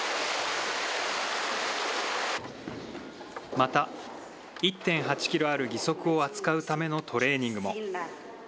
また、１．８キロある義足を扱うためのトレーニングも。